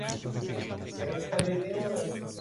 Es decir, ¿dónde estaba yo antes?